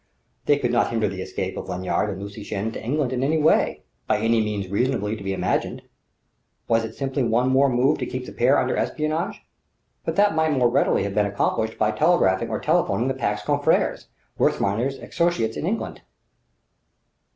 They could not hinder the escape of Lanyard and Lucy Shannon to England in any way, by any means reasonably to be imagined. Was this simply one more move to keep the pair under espionage? But that might more readily have been accomplished by telegraphing or telephoning the Pack's confreres, Wertheimer's associates in England!